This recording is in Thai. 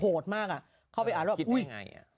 โหดมากอ่ะเข้าไปอ่านว่าอุ้ย